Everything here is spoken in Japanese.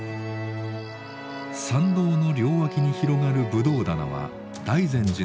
参道の両脇に広がるぶどう棚は大善寺の畑。